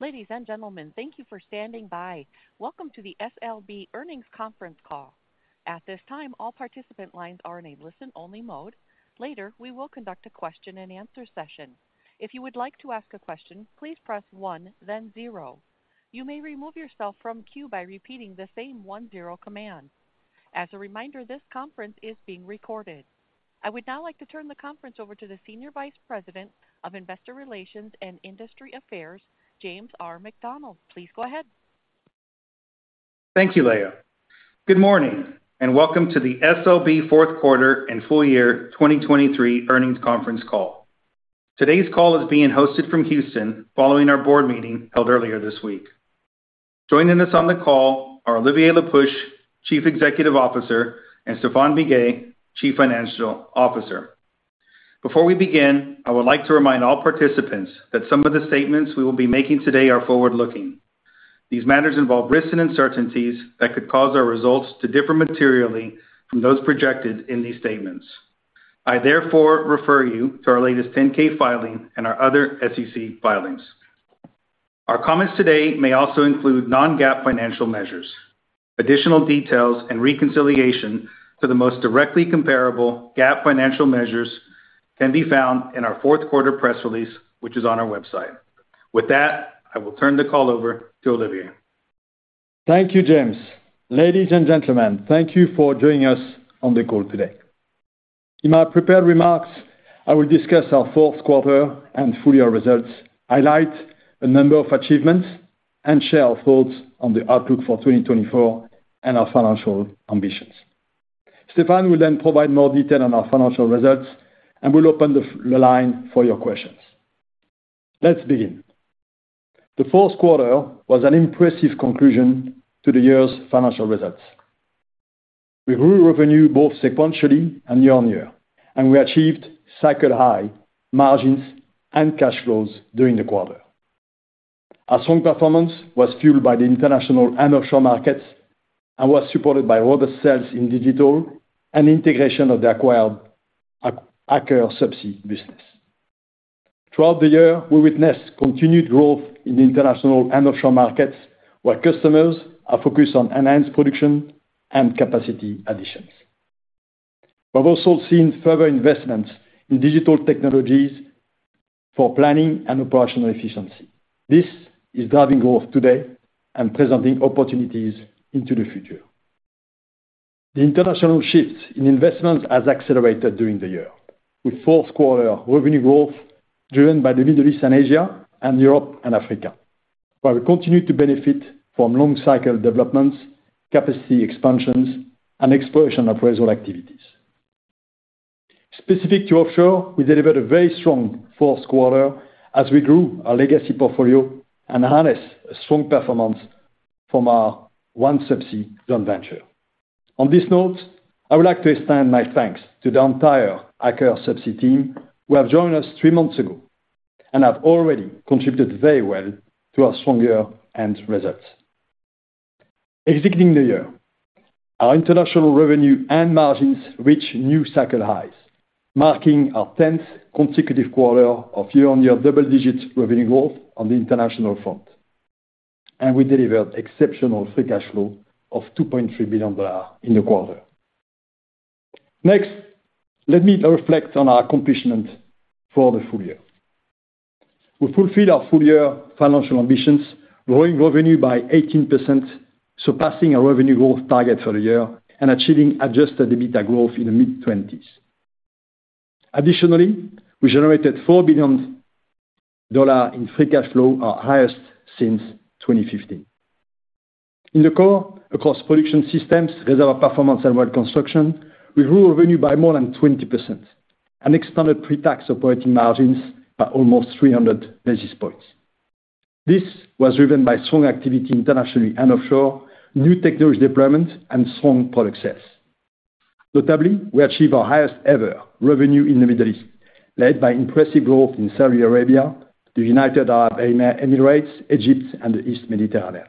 Ladies and gentlemen, thank you for standing by. Welcome to the SLB Earnings Conference Call. At this time, all participant lines are in a listen-only mode. Later, we will conduct a question-and-answer session. If you would like to ask a question, please press one, then zero. You may remove yourself from queue by repeating the same one zero command. As a reminder, this conference is being recorded. I would now like to turn the conference over to the Senior Vice President of Investor Relations and Industry Affairs, James R. McDonald. Please go ahead. Thank you, Leah. Good morning, and welcome to the SLB fourth quarter and full year 2023 earnings conference call. Today's call is being hosted from Houston, following our board meeting held earlier this week. Joining us on the call are Olivier Le Peuch, Chief Executive Officer; and Stéphane Biguet, Chief Financial Officer. Before we begin, I would like to remind all participants that some of the statements we will be making today are forward-looking. These matters involve risks and uncertainties that could cause our results to differ materially from those projected in these statements. I therefore refer you to our latest 10-K filing and our other SEC filings. Our comments today may also include non-GAAP financial measures. Additional details and reconciliation to the most directly comparable GAAP financial measures can be found in our fourth quarter press release, which is on our website. With that, I will turn the call over to Olivier. Thank you, James. Ladies and gentlemen, thank you for joining us on the call today. In my prepared remarks, I will discuss our fourth quarter and full year results, highlight a number of achievements, and share our thoughts on the outlook for 2024 and our financial ambitions. Stéphane will then provide more detail on our financial results and will open the line for your questions. Let's begin. The fourth quarter was an impressive conclusion to the year's financial results. We grew revenue both sequentially and year-on-year, and we achieved cycle high margins and cash flows during the quarter. Our strong performance was fueled by the international and offshore markets and was supported by robust sales in Digital and Integration of the acquired Aker Subsea business. Throughout the year, we witnessed continued growth in the international and offshore markets, where customers are focused on enhanced production and capacity additions. We've also seen further investments in digital technologies for planning and operational efficiency. This is driving growth today and presenting opportunities into the future. The international shift in investment has accelerated during the year, with fourth quarter revenue growth driven by the Middle East and Asia, and Europe and Africa, where we continue to benefit from long cycle developments, capacity expansions, and exploration of reservoir activities. Specific to offshore, we delivered a very strong fourth quarter as we grew our legacy portfolio and harnessed a strong performance from our OneSubsea joint venture. On this note, I would like to extend my thanks to the entire Aker Subsea team, who have joined us three months ago and have already contributed very well to our stronger end results. Exiting the year, our international revenue and margins reached new cycle highs, marking our 10th consecutive quarter of year-on-year double-digit revenue growth on the international front, and we delivered exceptional free cash flow of $2.3 billion in the quarter. Next, let me reflect on our accomplishment for the full year. We fulfilled our full-year financial ambitions, growing revenue by 18%, surpassing our revenue growth target for the year, and achieving adjusted EBITDA growth in the mid-20s%. Additionally, we generated $4 billion in free cash flow, our highest since 2015. In the core, across Production Systems, Reservoir Performance, and Well Construction, we grew revenue by more than 20% and expanded pre-tax operating margins by almost 300 basis points. This was driven by strong activity internationally and offshore, new technology deployment, and strong product sales. Notably, we achieved our highest-ever revenue in the Middle East, led by impressive growth in Saudi Arabia, the United Arab Emirates, Egypt, and the East Mediterranean.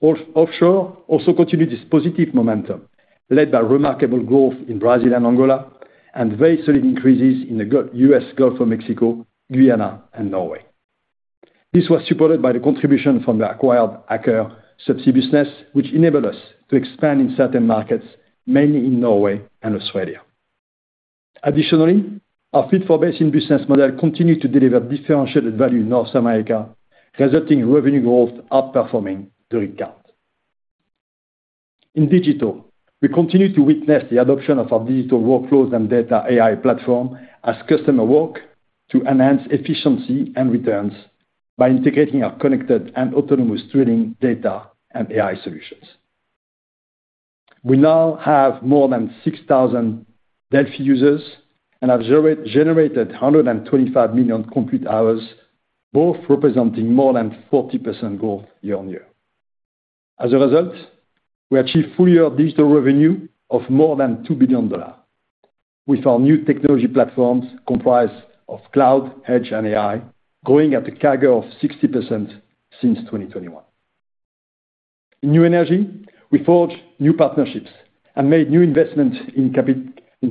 Offshore also continued this positive momentum, led by remarkable growth in Brazil and Angola, and very solid increases in the U.S. Gulf of Mexico, Guyana, and Norway. This was supported by the contribution from the acquired Aker Subsea business, which enabled us to expand in certain markets, mainly in Norway and Australia. Additionally, our fit-for-basin business model continued to deliver differentiated value in North America, resulting in revenue growth outperforming the rig count. In digital, we continue to witness the adoption of our digital workflows and data AI platform as customers work to enhance efficiency and returns by integrating our connected and autonomous drilling data and AI solutions. We now have more than 6,000 Delfi users and have generated 125 million compute hours, both representing more than 40% growth year-on-year. As a result, we achieved full year digital revenue of more than $2 billion, with our new technology platforms comprised of cloud, edge, and AI, growing at a CAGR of 60% since 2021. In New Energy, we forged new partnerships and made new investments in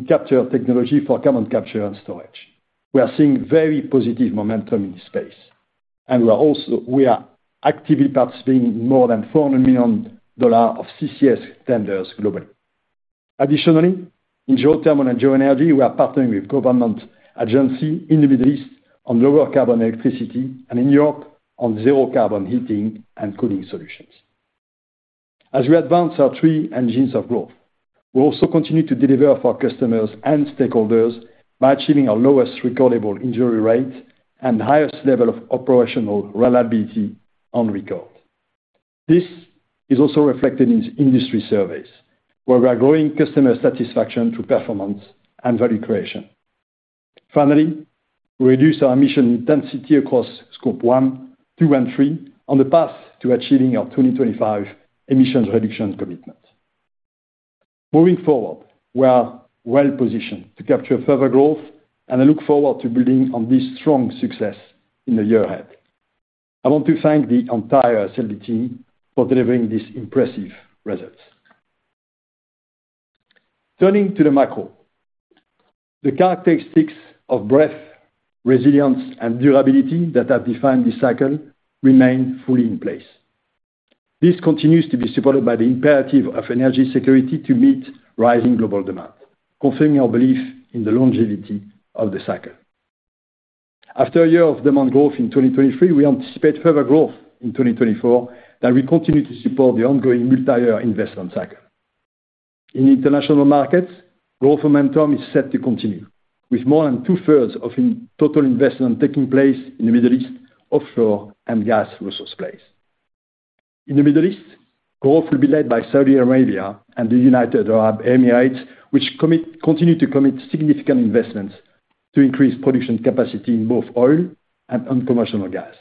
capture technology for carbon capture and storage. We are seeing very positive momentum in this space, and we are also actively participating in more than $400 million of CCS tenders globally. Additionally, in geothermal and geoenergy, we are partnering with government agency in the Middle East on lower carbon electricity, and in Europe, on zero carbon heating and cooling solutions. As we advance our three engines of growth, we also continue to deliver for our customers and stakeholders by achieving our lowest recordable injury rate and highest level of operational reliability on record. This is also reflected in industry surveys, where we are growing customer satisfaction through performance and value creation. Finally, we reduced our emission intensity across Scope 1, 2, and 3 on the path to achieving our 2025 emissions reduction commitment. Moving forward, we are well positioned to capture further growth, and I look forward to building on this strong success in the year ahead. I want to thank the entire SLB team for delivering these impressive results. Turning to the macro, the characteristics of breadth, resilience, and durability that have defined this cycle remain fully in place. This continues to be supported by the imperative of energy security to meet rising global demand, confirming our belief in the longevity of the cycle. After a year of demand growth in 2023, we anticipate further growth in 2024 that will continue to support the ongoing multiyear investment cycle. In international markets, growth momentum is set to continue, with more than two-thirds of total investment taking place in the Middle East, offshore, and gas resource plays. In the Middle East, growth will be led by Saudi Arabia and the United Arab Emirates, which continue to commit significant investments to increase production capacity in both oil and unconventional gas,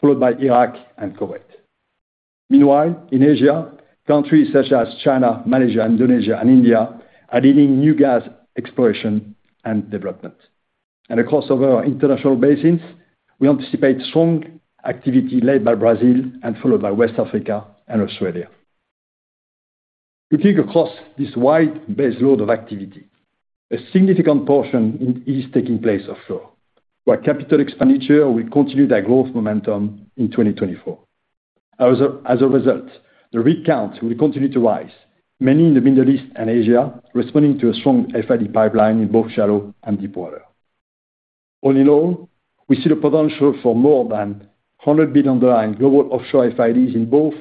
followed by Iraq and Kuwait. Meanwhile, in Asia, countries such as China, Malaysia, Indonesia, and India are leading new gas exploration and development. Across other international basins, we anticipate strong activity led by Brazil and followed by West Africa and Australia. Looking across this wide base load of activity, a significant portion is taking place offshore, where capital expenditure will continue that growth momentum in 2024. As a result, the rig count will continue to rise, mainly in the Middle East and Asia, responding to a strong FID pipeline in both shallow and deep water. All in all, we see the potential for more than $100 billion global offshore FIDs in both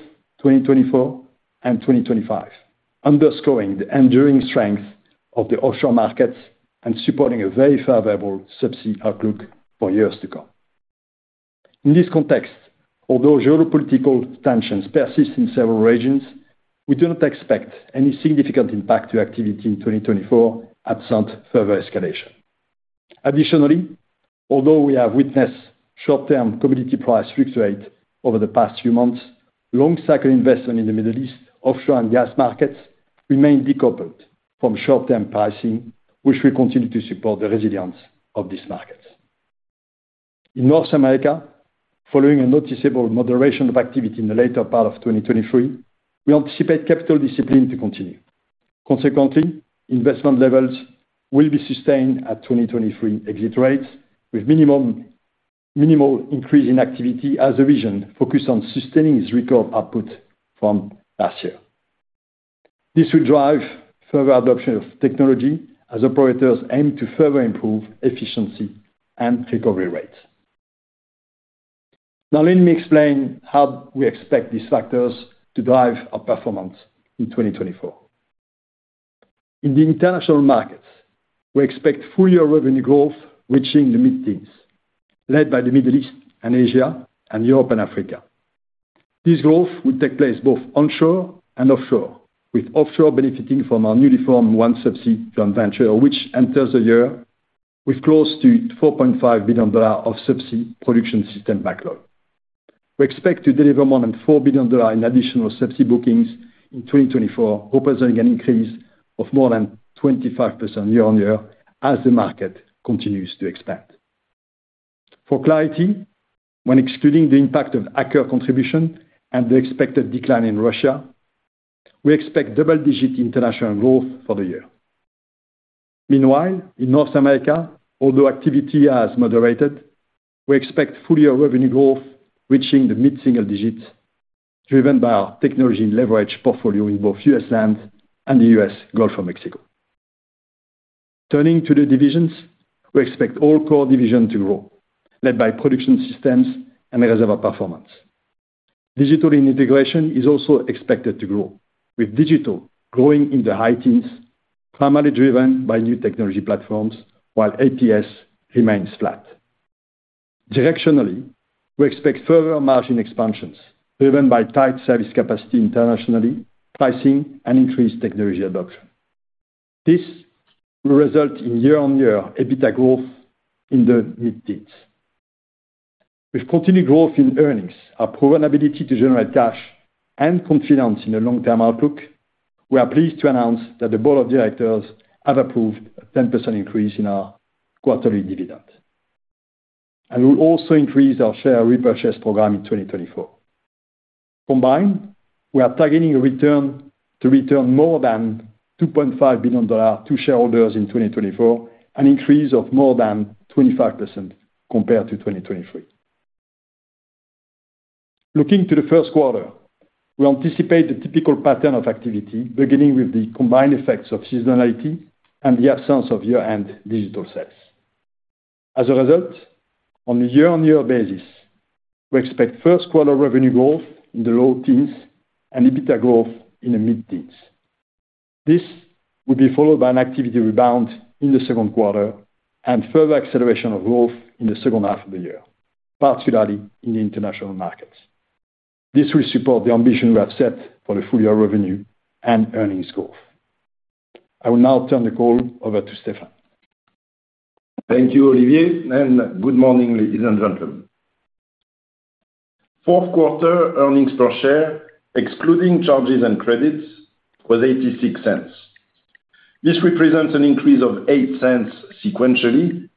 2024 and 2025, underscoring the enduring strength of the offshore markets and supporting a very favorable subsea outlook for years to come. In this context, although geopolitical tensions persist in several regions, we do not expect any significant impact to activity in 2024, absent further escalation. Additionally, although we have witnessed short-term commodity price fluctuations over the past few months, long cycle investment in the Middle East, offshore and gas markets remain decoupled from short-term pricing, which will continue to support the resilience of these markets. In North America, following a noticeable moderation of activity in the latter part of 2023, we anticipate capital discipline to continue. Consequently, investment levels will be sustained at 2023 exit rates, with minimal increase in activity as the region focused on sustaining its record output from last year. This will drive further adoption of technology as operators aim to further improve efficiency and recovery rates. Now, let me explain how we expect these factors to drive our performance in 2024. In the international markets, we expect full year revenue growth reaching the mid-teens, led by the Middle East and Asia and Europe and Africa. This growth will take place both onshore and offshore, with offshore benefiting from our newly formed OneSubsea joint venture, which enters the year with close to $4.5 billion of subsea production system backlog. We expect to deliver more than $4 billion in additional subsea bookings in 2024, representing an increase of more than 25% year-on-year as the market continues to expand. For clarity, when excluding the impact of Aker contribution and the expected decline in Russia, we expect double-digit international growth for the year. Meanwhile, in North America, although activity has moderated, we expect full year revenue growth reaching the mid-single digits, driven by our technology leverage portfolio in both U.S. land and the U.S. Gulf of Mexico. Turning to the divisions, we expect all core divisions to grow, led by Production Systems and Reservoir Performance. Digital and Integration is also expected to grow, with digital growing in the high teens, primarily driven by new technology platforms, while APS remains flat. Directionally, we expect further margin expansions, driven by tight service capacity internationally, pricing, and increased technology adoption. This will result in year-on-year EBITDA growth in the mid-teens. With continued growth in earnings, our proven ability to generate cash, and confidence in the long-term outlook, we are pleased to announce that the board of directors have approved a 10% increase in our quarterly dividend and we'll also increase our share repurchase program in 2024. Combined, we are targeting a return, to return more than $2.5 billion to shareholders in 2024, an increase of more than 25% compared to 2023. Looking to the first quarter, we anticipate the typical pattern of activity, beginning with the combined effects of seasonality and the absence of year-end digital sales. As a result, on a year-on-year basis, we expect first quarter revenue growth in the low teens and EBITDA growth in the mid-teens. This will be followed by an activity rebound in the second quarter and further acceleration of growth in the second half of the year, particularly in the international markets. This will support the ambition we have set for the full-year revenue and earnings growth. I will now turn the call over to Stéphane. Thank you, Olivier, and good morning, ladies and gentlemen. Fourth quarter earnings per share, excluding charges and credits, was $0.86. This represents an increase of $0.08 sequentially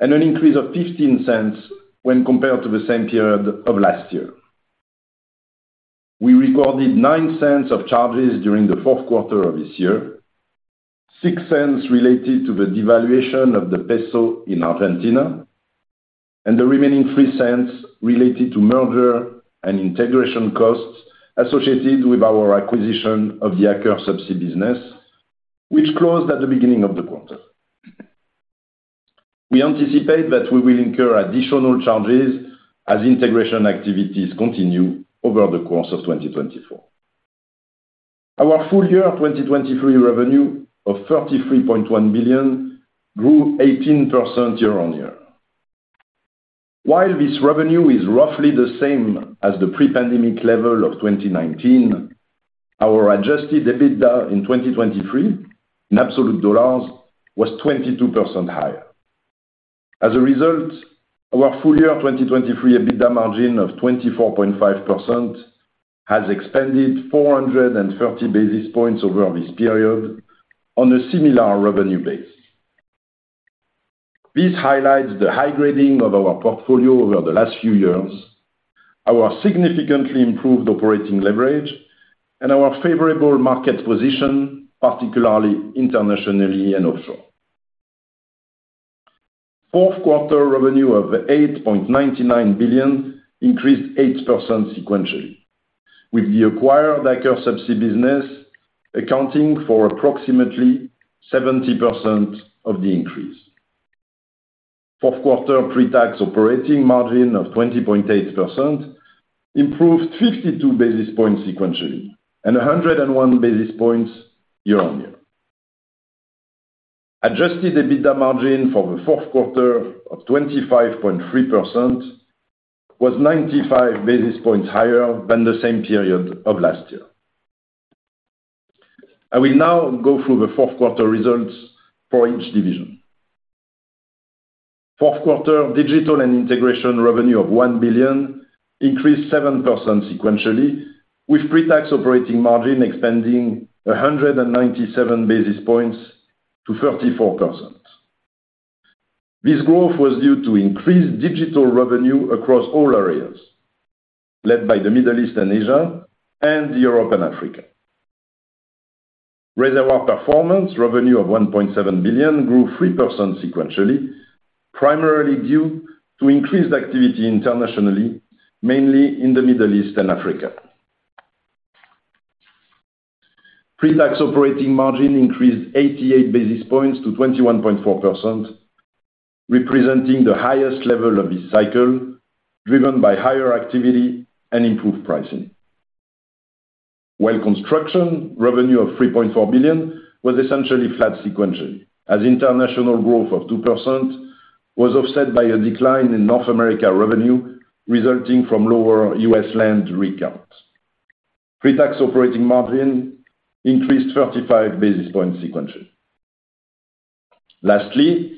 and an increase of $0.15 when compared to the same period of last year. We recorded $0.09 of charges during the fourth quarter of this year, $0.06 related to the devaluation of the peso in Argentina, and the remaining $0.03 related to merger and integration costs associated with our acquisition of the Aker Subsea business, which closed at the beginning of the quarter. We anticipate that we will incur additional charges as integration activities continue over the course of 2024. Our full-year 2023 revenue of $33.1 billion grew 18% year-on-year. While this revenue is roughly the same as the pre-pandemic level of 2019, our adjusted EBITDA in 2023, in absolute dollars, was 22% higher. As a result, our full year 2023 EBITDA margin of 24.5% has expanded 430 basis points over this period on a similar revenue base. This highlights the high grading of our portfolio over the last few years, our significantly improved operating leverage, and our favorable market position, particularly internationally and offshore. Fourth quarter revenue of $8.99 billion increased 8% sequentially, with the acquired Aker Subsea business accounting for approximately 70% of the increase. Fourth quarter pre-tax operating margin of 20.8% improved 52 basis points sequentially and 101 basis points year-on-year. Adjusted EBITDA margin for the fourth quarter of 25.3% was 95 basis points higher than the same period of last year. I will now go through the fourth quarter results for each division. Fourth quarter Digital and Integration revenue of $1 billion increased 7% sequentially, with pre-tax operating margin expanding 197 basis points to 34%. This growth was due to increased digital revenue across all areas, led by the Middle East and Asia and Europe and Africa. Reservoir Performance revenue of $1.7 billion grew 3% sequentially, primarily due to increased activity internationally, mainly in the Middle East and Africa. Pre-tax operating margin increased 88 basis points to 21.4%, representing the highest level of this cycle, driven by higher activity and improved pricing. Well Construction revenue of $3.4 billion was essentially flat sequentially, as international growth of 2% was offset by a decline in North America revenue, resulting from lower U.S. land rig counts. Pre-tax operating margin increased 35 basis points sequentially. Lastly,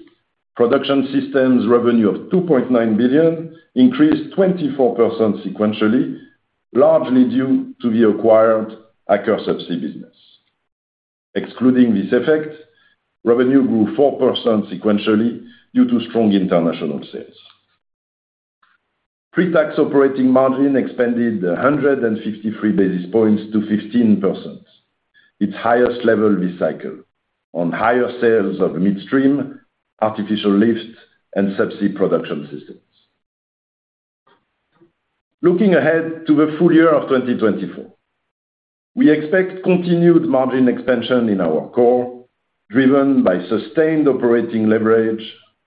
Production Systems revenue of $2.9 billion increased 24% sequentially, largely due to the acquired Aker Subsea business. Excluding this effect, revenue grew 4% sequentially due to strong international sales. Pre-tax operating margin expanded 153 basis points to 15%, its highest level this cycle, on higher sales of midstream, artificial lifts, and subsea production systems. Looking ahead to the full year of 2024, we expect continued margin expansion in our core, driven by sustained operating leverage,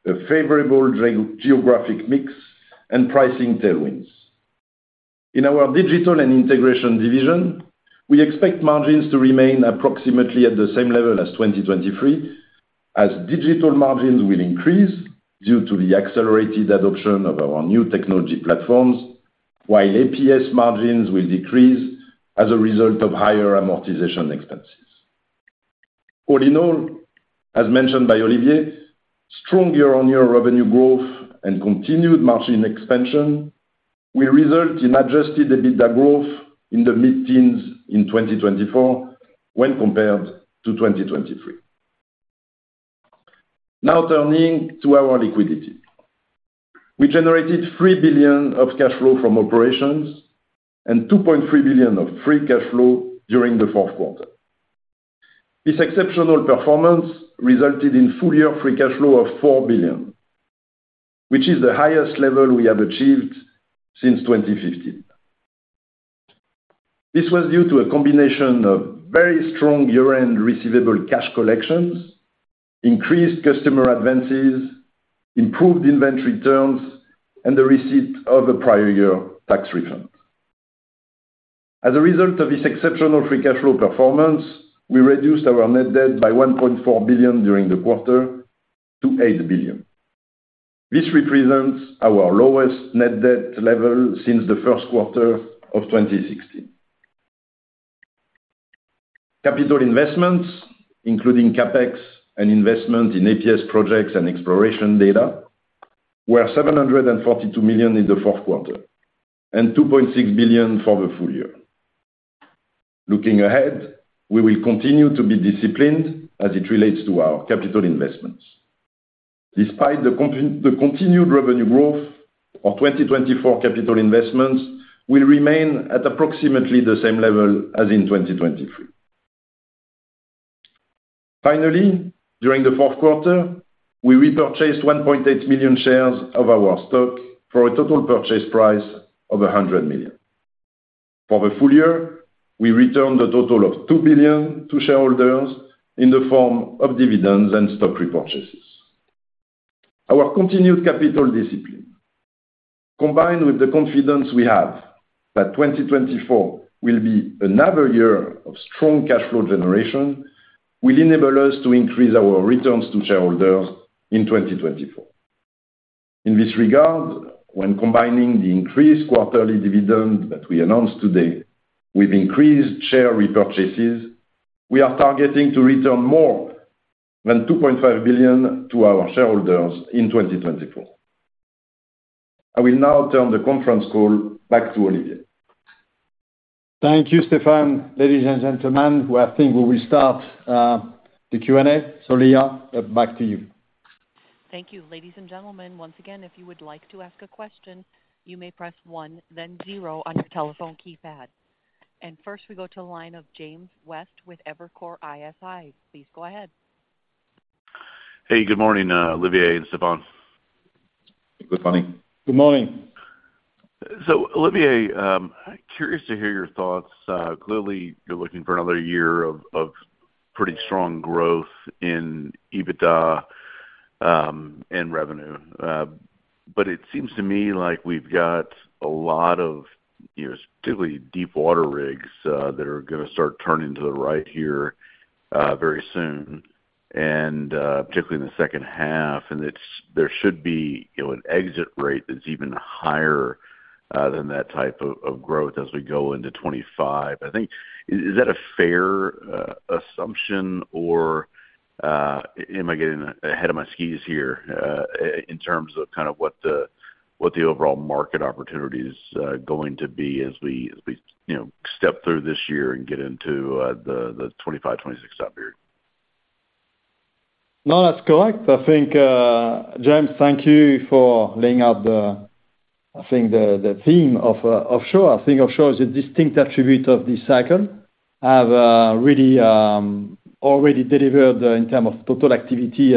a favorable geographic mix, and pricing tailwinds. In our digital and integration division, we expect margins to remain approximately at the same level as 2023, as digital margins will increase due to the accelerated adoption of our new technology platforms, while APS margins will decrease as a result of higher amortization expenses. All in all, as mentioned by Olivier, strong year-over-year revenue growth and continued margin expansion will result in adjusted EBITDA growth in the mid-teens in 2024 when compared to 2023. Now turning to our liquidity. We generated $3 billion of cash flow from operations and $2.3 billion of free cash flow during the fourth quarter. This exceptional performance resulted in full year free cash flow of $4 billion, which is the highest level we have achieved since 2015. This was due to a combination of very strong year-end receivable cash collections, increased customer advances, improved inventory turns, and the receipt of the prior year tax refund. As a result of this exceptional free cash flow performance, we reduced our net debt by $1.4 billion during the quarter to $8 billion. This represents our lowest net debt level since the first quarter of 2016. Capital investments, including CapEx and investment in APS projects and exploration data, were $742 million in the fourth quarter, and $2.6 billion for the full year. Looking ahead, we will continue to be disciplined as it relates to our capital investments. Despite the continued revenue growth of 2024, capital investments will remain at approximately the same level as in 2023. Finally, during the fourth quarter, we repurchased 1.8 million shares of our stock for a total purchase price of $100 million. For the full year, we returned a total of $2 billion to shareholders in the form of dividends and stock repurchases. Our continued capital discipline, combined with the confidence we have that 2024 will be another year of strong cash flow generation, will enable us to increase our returns to shareholders in 2024. In this regard, when combining the increased quarterly dividend that we announced today with increased share repurchases, we are targeting to return more than $2.5 billion to our shareholders in 2024. I will now turn the conference call back to Olivier. Thank you, Stéphane. Ladies and gentlemen, well, I think we will start the Q&A. So, Leah, back to you. Thank you. Ladies and gentlemen, once again, if you would like to ask a question, you may press one, then zero on your telephone keypad. And first, we go to the line of James West with Evercore ISI. Please go ahead. Hey, good morning, Olivier and Stephane. Good morning. Good morning. So, Olivier, curious to hear your thoughts. Clearly, you're looking for another year of pretty strong growth in EBITDA and revenue. But it seems to me like we've got a lot of, you know, particularly deepwater rigs that are gonna start turning to the right here very soon, and particularly in the second half. And it's, there should be, you know, an exit rate that's even higher than that type of growth as we go into 2025. I think is that a fair assumption, or am I getting ahead of my skis here, in terms of kind of what the overall market opportunity is going to be as we you know step through this year and get into the 2025, 2026 time period? No, that's correct. I think, James, thank you for laying out the, I think the, the theme of, offshore. I think offshore is a distinct attribute of this cycle. I have really already delivered in terms of total activity,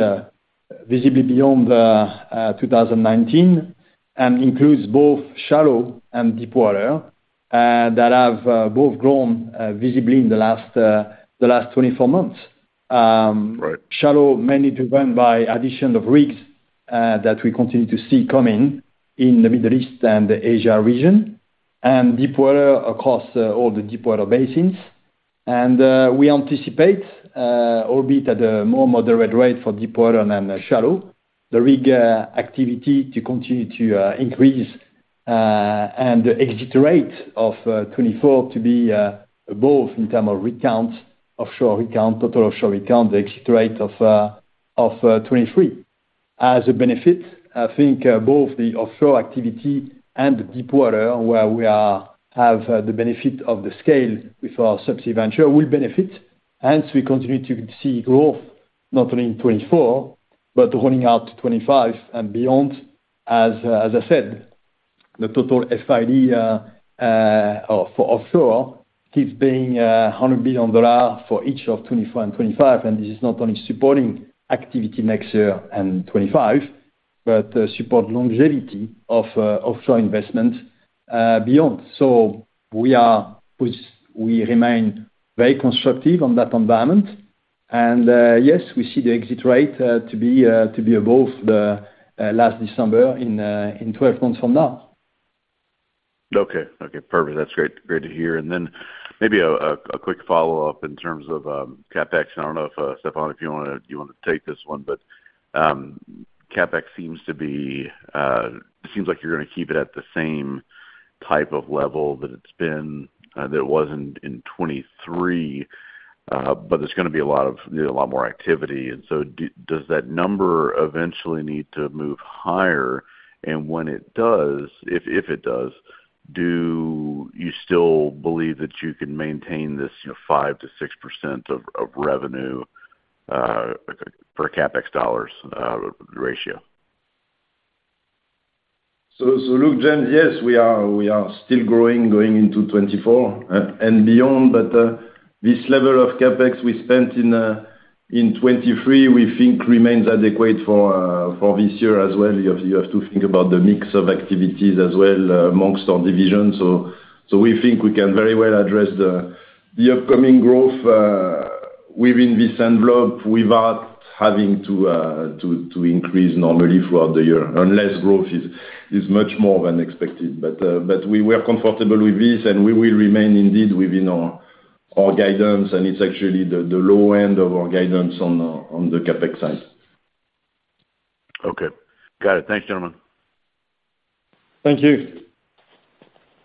visibly beyond the 2019, and includes both shallow and deepwater that have both grown visibly in the last, the last 24 months. Right. Shallow, mainly driven by addition of rigs that we continue to see coming in the Middle East and the Asia region, and deepwater across all the deepwater basins. We anticipate, albeit at a more moderate rate for deepwater than shallow, the rig activity to continue to increase, and the exit rate of 2024 to be above in terms of rig count, offshore rig count, total offshore rig count, the exit rate of 2023. As a benefit, I think both the offshore activity and the deepwater, where we have the benefit of the scale with our subsea venture, will benefit; hence we continue to see growth not only in 2024, but running out to 2025 and beyond. As I said, the total FID for offshore keeps being $100 billion for each of 2024 and 2025, and this is not only supporting activity next year and 2025, but support longevity of offshore investment beyond. So we remain very constructive on that environment. Yes, we see the exit rate to be above the last December in 12 months from now. Okay. Okay, perfect. That's great, great to hear. And then maybe a quick follow-up in terms of CapEx. I don't know if Stephane, if you wanna take this one, but CapEx seems like you're gonna keep it at the same type of level that it's been, that it was in 2023, but there's gonna be a lot of, you know, a lot more activity. And so does that number eventually need to move higher? And when it does, if it does, do you still believe that you can maintain this, you know, 5%-6% of revenue per CapEx dollars ratio? So, so look, James, yes, we are, we are still growing, going into 2024, and beyond. But, this level of CapEx we spent in, in 2023, we think remains adequate for, for this year as well. You have, you have to think about the mix of activities as well amongst our divisions. So, so we think we can very well address the, the upcoming growth, within this envelope without having to, to, to increase normally throughout the year, unless growth is, is much more than expected. But, but we were comfortable with this, and we will remain indeed within our, our guidance, and it's actually the, the low end of our guidance on the, on the CapEx side. Okay. Got it. Thanks, gentlemen. Thank you.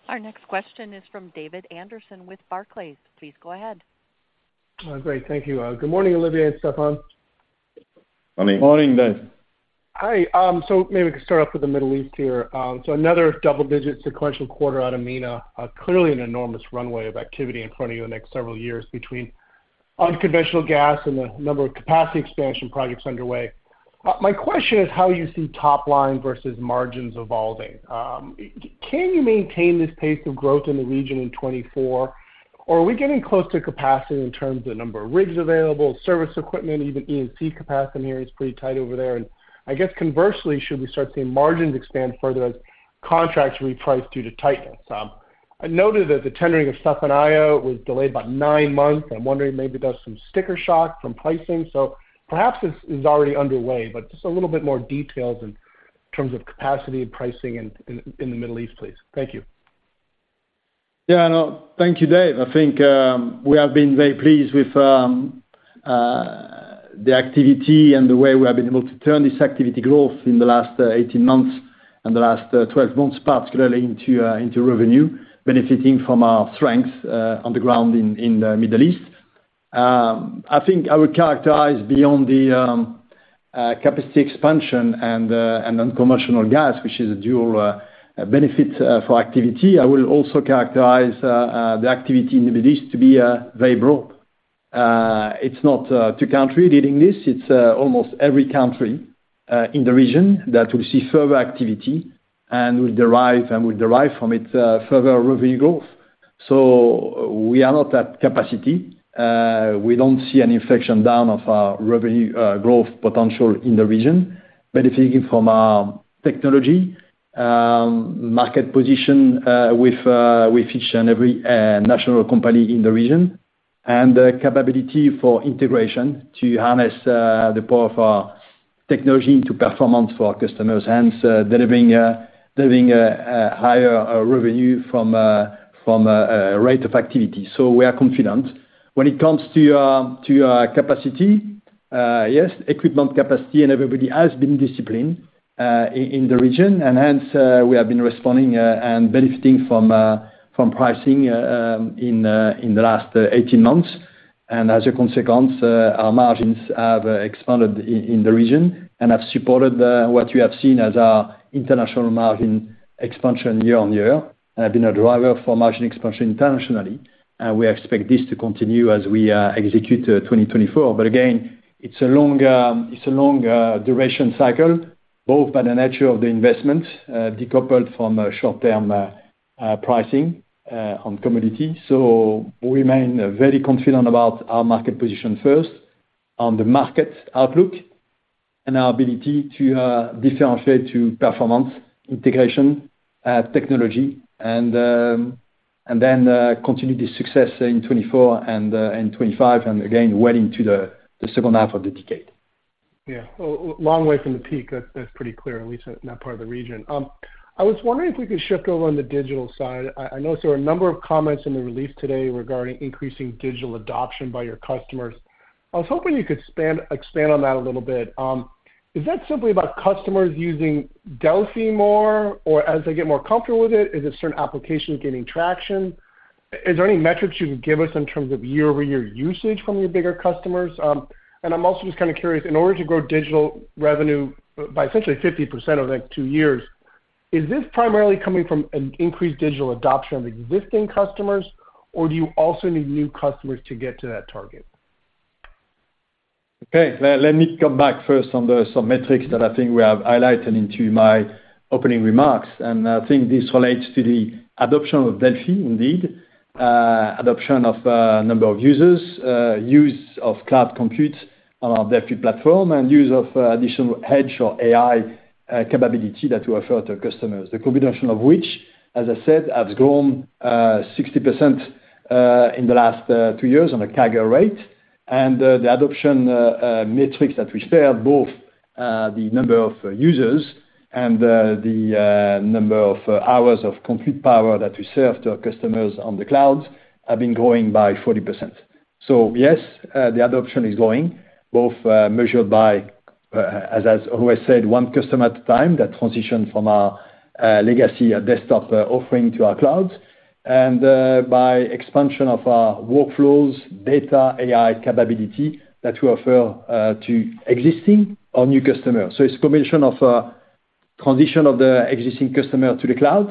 Our next question is from David Anderson with Barclays. Please go ahead. Great. Thank you. Good morning, Olivier and Stéphane. Morning. Morning, Dave. Hi, so maybe we can start off with the Middle East here. So another double-digit sequential quarter out of MENA, clearly an enormous runway of activity in front of you the next several years between unconventional gas and the number of capacity expansion projects underway. My question is how you see top line versus margins evolving. Can you maintain this pace of growth in the region in 2024, or are we getting close to capacity in terms of the number of rigs available, service equipment, even E&C capacity in here is pretty tight over there. And I guess conversely, should we start seeing margins expand further as contracts reprice due to tightness? I noted that the tendering of Safaniya was delayed by nine months. I'm wondering, maybe there's some sticker shock from pricing. Perhaps this is already underway, but just a little bit more details in terms of capacity, pricing in, in the Middle East, please. Thank you. Yeah, no. Thank you, Dave. I think we have been very pleased with the activity and the way we have been able to turn this activity growth in the last 18 months and the last 12 months, particularly into revenue, benefiting from our strength on the ground in the Middle East. I think I would characterize beyond the capacity expansion and the unconventional gas, which is a dual benefit for activity. I will also characterize the activity in the Middle East to be very broad. It's not two country leading this, it's almost every country in the region that we see further activity and will derive, and will derive from it further revenue growth. So we are not at capacity. We don't see an inflection down of our revenue growth potential in the region, benefiting from our technology, market position with each and every national company in the region. And the capability for integration to harness the power of our technology into performance for our customers, hence delivering a higher revenue from a rate of activity. So we are confident. When it comes to capacity, yes, equipment capacity, and everybody has been disciplined in the region, and hence we have been responding and benefiting from pricing in the last 18 months. As a consequence, our margins have expanded in the region and have supported what you have seen as our international margin expansion year on year, and have been a driver for margin expansion internationally. And we expect this to continue as we execute 2024. But again, it's a long, it's a long duration cycle, both by the nature of the investment, decoupled from a short-term pricing on commodity. So we remain very confident about our market position, first, on the market outlook and our ability to differentiate to performance, integration, technology, and then continue this success in 2024 and in 2025, and again, well into the second half of the decade. Yeah. Well, long way from the peak. That's pretty clear, at least in that part of the region. I was wondering if we could shift over on the digital side. I know there are a number of comments in the release today regarding increasing digital adoption by your customers. I was hoping you could expand on that a little bit. Is that simply about customers using Delfi more, or as they get more comfortable with it, is a certain application gaining traction? Is there any metrics you can give us in terms of year-over-year usage from your bigger customers? And I'm also just kind of curious, in order to grow digital revenue by essentially 50% over the next two years, is this primarily coming from an increased digital adoption of existing customers, or do you also need new customers to get to that target? Okay. Let me come back first on some metrics that I think we have highlighted in my opening remarks, and I think this relates to the adoption of Delfi, indeed. Adoption of number of users, use of cloud compute on our Delfi platform, and use of additional edge or AI capability that we offer to our customers. The combination of which, as I said, has grown 60% in the last two years on a CAGR rate. And the adoption metrics that we share, both the number of users and the number of hours of compute power that we serve to our customers on the cloud, have been growing by 40%. So yes, the adoption is growing, both, measured by, as, as always said, one customer at a time, that transition from our, legacy desktop, offering to our cloud, and, by expansion of our workflows, data, AI capability that we offer, to existing or new customers. So it's combination of, transition of the existing customer to the cloud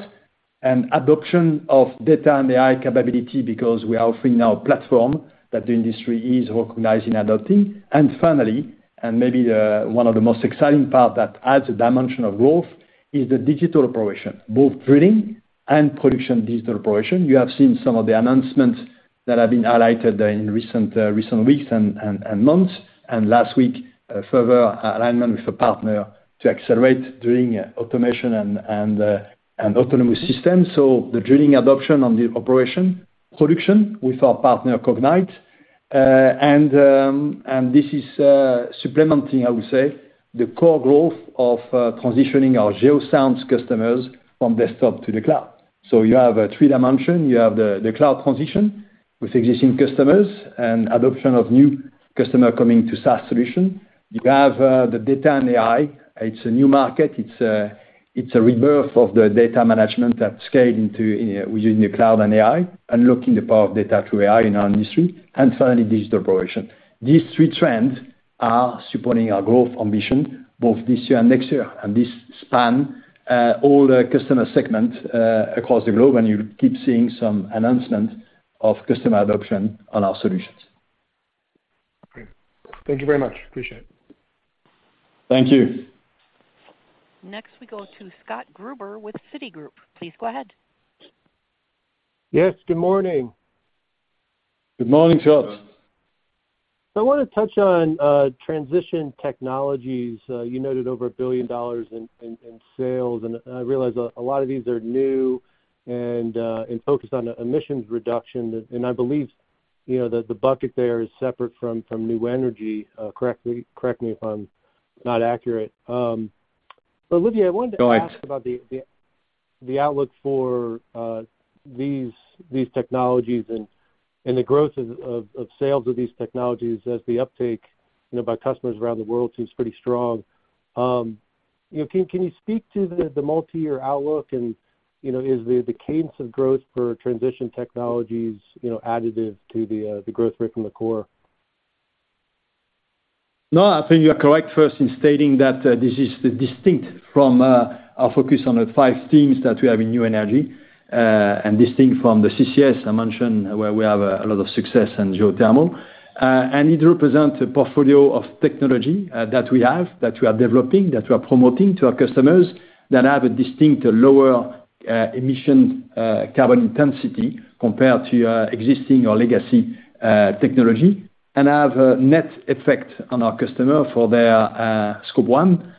and adoption of data and AI capability, because we are offering our platform that the industry is recognizing and adopting. And finally, and maybe the, one of the most exciting part that adds a dimension of growth, is the digital operation, both drilling and production digital operation. You have seen some of the announcements that have been highlighted in recent weeks and months, and last week, a further alignment with a partner to accelerate drilling, automation, and autonomous systems. So the drilling adoption on the operation production with our partner, Cognite. And this is supplementing, I would say, the core growth of transitioning our geoscience customers from desktop to the cloud. So you have three dimensions. You have the cloud transition with existing customers and adoption of new customer coming to SaaS solution. You have the data and AI. It's a new market. It's a rebirth of the data management that scale into using the cloud and AI, unlocking the power of data through AI in our industry, and finally, digital operation. These three trends are supporting our growth ambition both this year and next year, and this span all the customer segment across the globe, and you keep seeing some announcement of customer adoption on our solutions. Great. Thank you very much. Appreciate it. Thank you. Next, we go to Scott Gruber with Citigroup. Please go ahead. Yes, good morning. Good morning, Scott. So I wanna touch on transition technologies. You noted over $1 billion in sales, and I realize a lot of these are new and focused on emissions reduction. And I believe, you know, that the bucket there is separate from New Energy, correct me if I'm not accurate. But Olivier, I wanted to ask about the outlook for these technologies and the growth of sales of these technologies as the uptake, you know, by customers around the world seems pretty strong. You know, can you speak to the multi-year outlook? And you know, is the cadence of growth for Transition Technologies, you know, additive to the growth rate from the core? No, I think you're correct, first, in stating that this is distinct from our focus on the five themes that we have in New Energy, and distinct from the CCS I mentioned, where we have a lot of success in geothermal. And it represents a portfolio of technology that we have, that we are developing, that we are promoting to our customers, that have a distinct lower emission carbon intensity compared to existing or legacy technology, and have a net effect on our customer for their Scope 1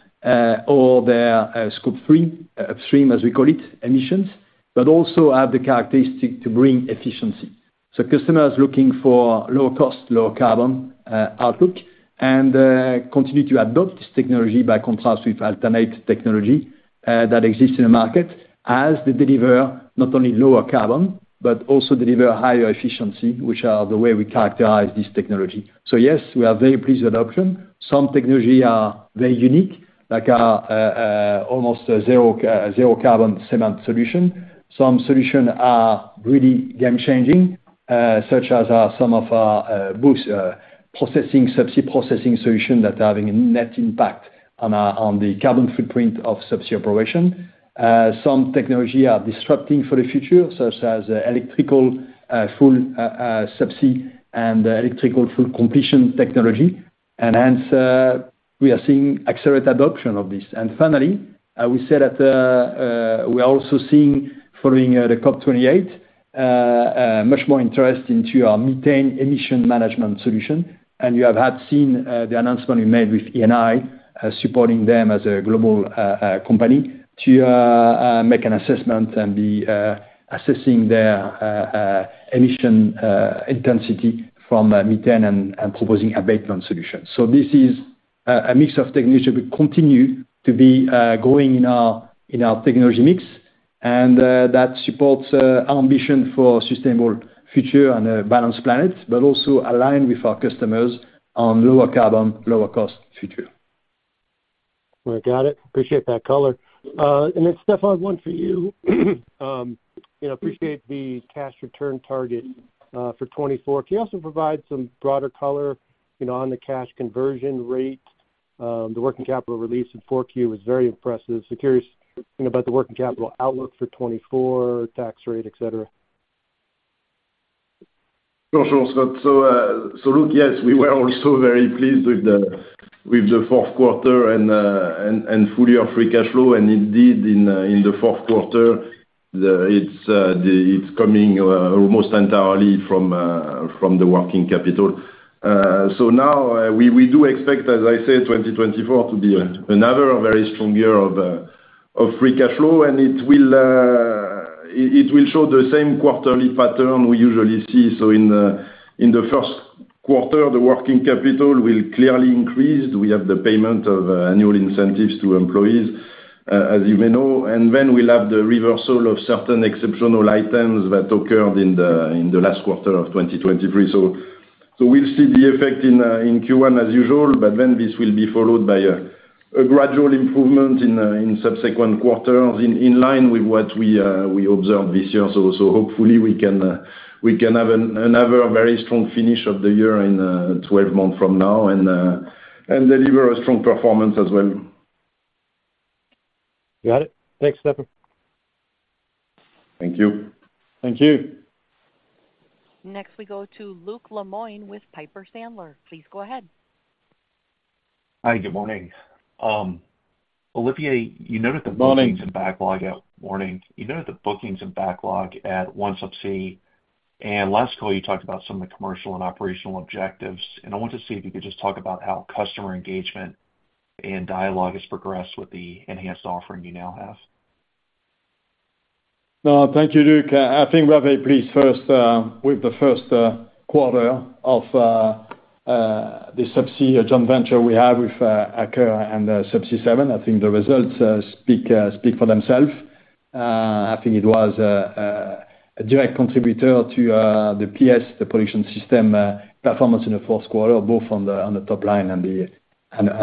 or their Scope 3 upstream, as we call it, emissions, but also have the characteristic to bring efficiency. So customers looking for lower cost, lower carbon, outlook and continue to adopt this technology by contrast with alternate technology that exists in the market as they deliver not only lower carbon, but also deliver higher efficiency, which are the way we characterize this technology. So yes, we are very pleased with adoption. Some technology are very unique, like our almost zero, zero-carbon cement solution. Some solution are really game-changing, such as some of our boosting processing subsea processing solution that are having a net impact on the carbon footprint of subsea operation. Some technology are disrupting for the future, such as all-electric subsea and all-electric full completion technology. And hence, we are seeing accelerated adoption of this. Finally, we said that we are also seeing, following the COP28, much more interest into our methane emission management solution. You have had seen the announcement we made with Eni, supporting them as a global company, to make an assessment and be assessing their emission intensity from methane and proposing a baseline solution. This is a mix of technology, which continue to be growing in our technology mix, and that supports our ambition for sustainable future and a balanced planet, but also align with our customers on lower carbon, lower cost future. Well, I got it. Appreciate that color. And then, Stephane, one for you. You know, appreciate the cash return target for 2024. Can you also provide some broader color, you know, on the cash conversion rate? The working capital release in 4Q was very impressive, so curious about the working capital outlook for 2024, tax rate, et cetera. Sure, sure, Scott. So, so look, yes, we were also very pleased with the fourth quarter and full year of free cash flow. And indeed, in the fourth quarter, it's coming almost entirely from the working capital. So now, we do expect, as I said, 2024 to be another very strong year of free cash flow, and it will show the same quarterly pattern we usually see. So in the first quarter, the working capital will clearly increase. We have the payment of annual incentives to employees, as you may know, and then we'll have the reversal of certain exceptional items that occurred in the last quarter of 2023. So we'll see the effect in Q1 as usual, but then this will be followed by a gradual improvement in, subsequent quarters, in line with what we, we observed this year. So, so hopefully we can, we can have another very strong finish of the year in, 12 months from now, and, and deliver a strong performance as well. Got it. Thanks, Stephane. Thank you. Thank you. Next, we go to Luke Lemoine with Piper Sandler. Please go ahead. Hi, good morning. Olivier, you noted the- Morning Bookings and backlog at OneSubsea this morning. You noted the bookings and backlog at OneSubsea, and last call, you talked about some of the commercial and operational objectives, and I want to see if you could just talk about how customer engagement and dialogue has progressed with the enhanced offering you now have. Thank you, Luke. I think we are very pleased first with the first quarter of the Subsea joint venture we have with Aker and Subsea7. I think the results speak for themselves. I think it was a direct contributor to the PS, the production system, performance in the fourth quarter, both on the top line and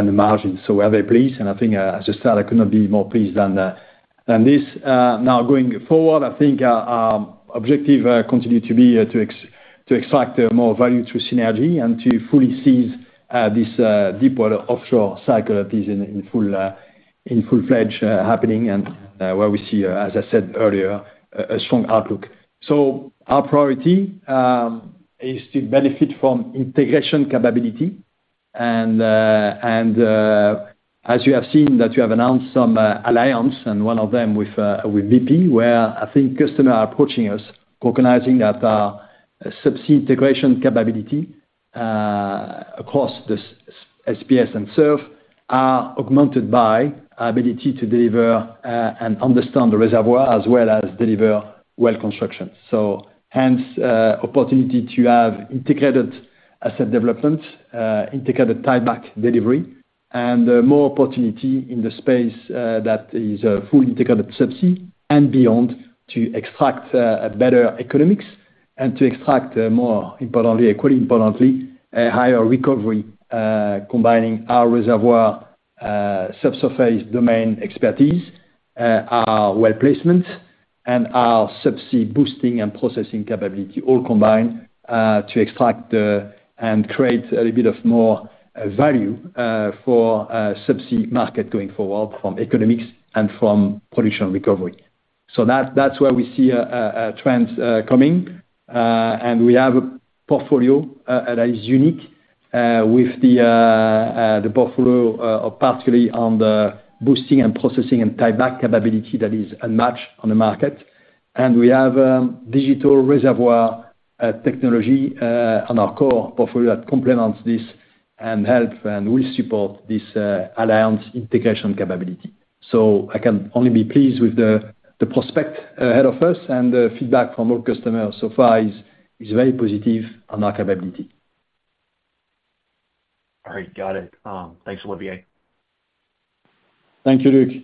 the margins. So we are very pleased, and I think, as I said, I could not be more pleased than this. Now, going forward, I think, objective continue to be to extract more value through synergy and to fully seize this deepwater offshore cycle that is in full-fledged happening and where we see, as I said earlier, a strong outlook. So our priority is to benefit from integration capability, and as you have seen, that we have announced some alliance, and one of them with BP, where I think customers are approaching us, recognizing that subsea integration capability across this SPS and Subsea7 are augmented by our ability to deliver and understand the reservoir as well as deliver Well Construction. So hence, opportunity to have integrated asset development, integrated tieback delivery, and more opportunity in the space that is fully integrated Subsea and beyond, to extract a better economics and to extract, more importantly, equally importantly, a higher recovery, combining our reservoir subsurface domain expertise, our well placement, and our Subsea boosting and processing capability, all combined, to extract and create a little bit of more value for Subsea market going forward from economics and from production recovery. So that, that's where we see a trend coming. And we have a portfolio that is unique with the portfolio, particularly on the boosting and processing and tieback capability that is unmatched on the market. We have digital reservoir technology on our core portfolio that complements this and help and will support this alliance integration capability. I can only be pleased with the prospect ahead of us, and the feedback from our customers so far is very positive on our capability. All right. Got it. Thanks, Olivier. Thank you, Luke.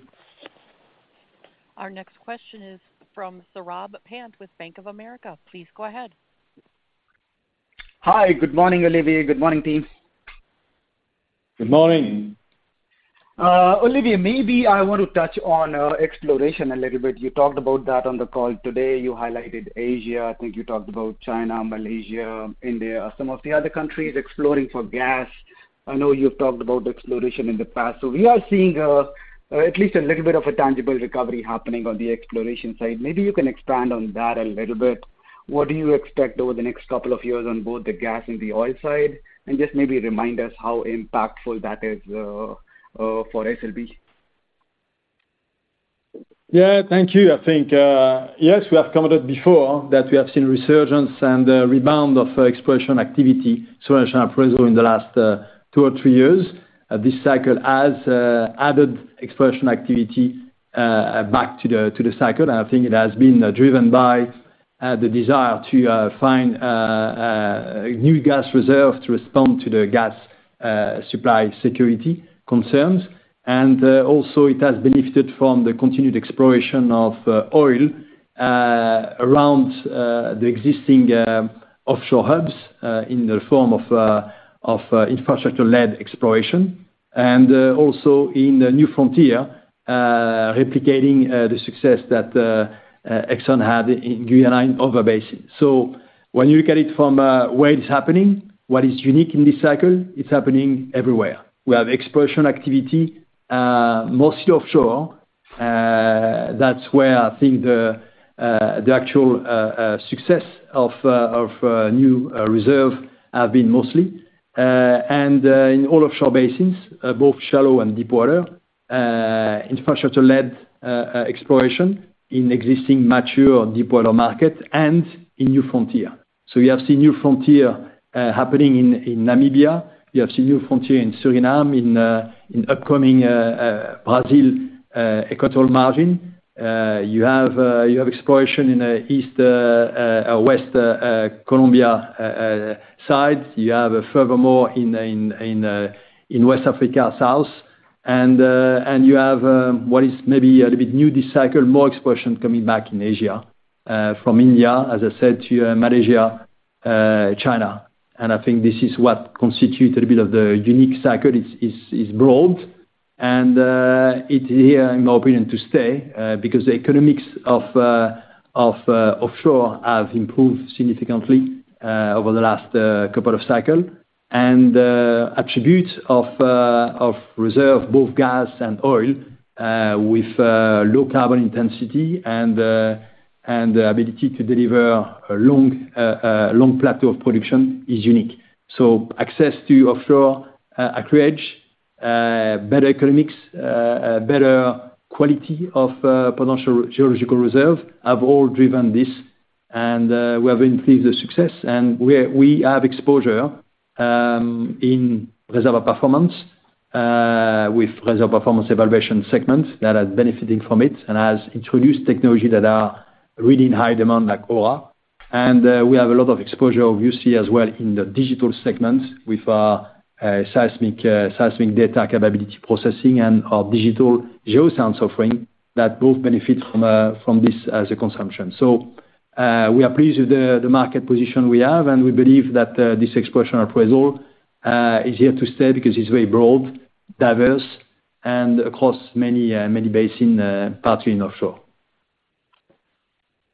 Our next question is from Saurabh Pant with Bank of America. Please go ahead. Hi, good morning, Olivier. Good morning, team. Good morning. Olivier, maybe I want to touch on exploration a little bit. You talked about that on the call today. You highlighted Asia. I think you talked about China, Malaysia, India, some of the other countries exploring for gas. I know you've talked about exploration in the past. So we are seeing at least a little bit of a tangible recovery happening on the exploration side. Maybe you can expand on that a little bit. What do you expect over the next couple of years on both the gas and the oil side? And just maybe remind us how impactful that is for SLB. Yeah, thank you. I think, yes, we have commented before that we have seen resurgence and rebound of exploration activity, exploration appraisal in the last two or three years. This cycle has added exploration activity back to the cycle. I think it has been driven by the desire to find new gas reserves to respond to the gas supply security concerns. And also, it has benefited from the continued exploration of oil around the existing offshore hubs in the form of infrastructure-led exploration, and also in the new frontier, replicating the success that Exxon had in Guyana offshore basin. So when you look at it from where it's happening, what is unique in this cycle, it's happening everywhere. We have exploration activity, mostly offshore. That's where I think the actual success of new reserve have been mostly in all offshore basins, both shallow and deep water, infrastructure-led exploration in existing mature deepwater market and in new frontier. So we have seen new frontier happening in Namibia. We have seen new frontier in Suriname, in upcoming Brazil Equatorial Margin. You have exploration in east-west Colombia side. You have furthermore in West Africa South and you have what is maybe a little bit new this cycle, more exploration coming back in Asia, from India, as I said, to Malaysia, China. I think this is what constitutes a little bit of the unique cycle. It is broad, and it's here, in my opinion, to stay, because the economics of offshore have improved significantly over the last couple of cycles. And attributes of reserves, both gas and oil, with low carbon intensity and the ability to deliver a long plateau of production is unique. So access to offshore acreage, better economics, better quality of potential geological reserves, have all driven this, and we have increased the success. And we have exposure in reservoir performance with reservoir performance evaluation segments that are benefiting from it and has introduced technology that are really in high demand, like Ora. And, we have a lot of exposure, you see as well in the digital segments with our seismic data processing and our digital GeoSeism offering, that both benefit from this as a consumption. So, we are pleased with the market position we have, and we believe that this exploration appraisal is here to stay because it's very broad, diverse, and across many basins, partly in offshore.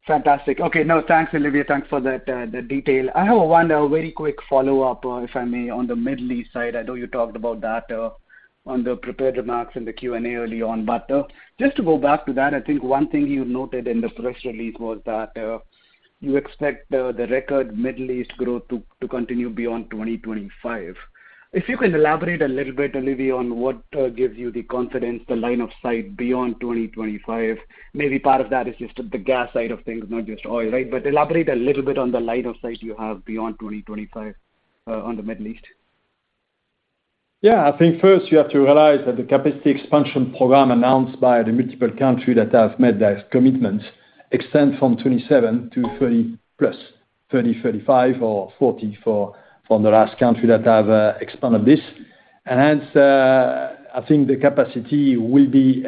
Fantastic. Okay, no, thanks, Olivier. Thanks for that, that detail. I have one, very quick follow-up, if I may, on the Middle East side. I know you talked about that, on the prepared remarks in the Q&A early on. But, just to go back to that, I think one thing you noted in the press release was that, you expect, the record Middle East growth to continue beyond 2025. If you can elaborate a little bit, Olivier, on what gives you the confidence, the line of sight beyond 2025. Maybe part of that is just the gas side of things, not just oil, right? But elaborate a little bit on the line of sight you have beyond 2025, on the Middle East. Yeah. I think first you have to realize that the capacity expansion program announced by the multiple country that have made that commitment extend from 27-30+, 30, 35 or 40 for, from the last country that have expanded this. And hence, I think the capacity will be